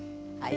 はい。